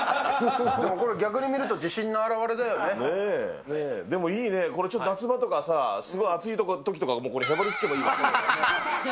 逆に見ると、これ、自信の表でも、いいね、これ、ちょっと夏場とか、すごい暑いときとか、もうこれ、へばりつけばいい。